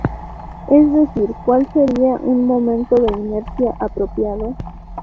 Es decir, ¿cuál sería un momento de inercia apropiado?